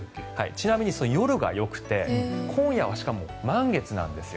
ちなみに、夜がよくて今夜はしかも満月なんですよ。